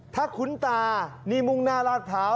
ถ้าคุณตานี่มุ่งหน้าราดเท้า